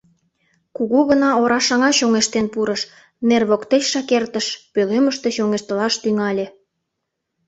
Кугу гына орашыҥа чоҥештен пурыш, нер воктечшак эртыш, пӧлемыште чоҥештылаш тӱҥале.